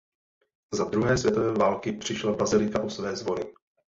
Za druhé světové války přišla bazilika o své zvony.